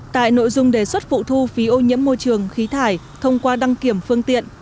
tại nội dung đề xuất phụ thu phí ô nhiễm môi trường khí thải thông qua đăng kiểm phương tiện